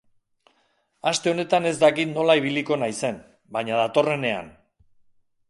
Aste honetan ez dakit nola ibiliko naizen, baina datorrenean.